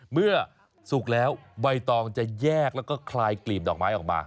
สุกแล้วใบตองจะแยกแล้วก็คลายกลีบดอกไม้ออกมา